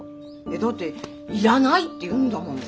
だっていらないって言うんだもん。